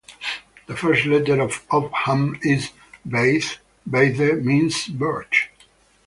The first letter of Ogham is "beith"; "beithe" means "birch".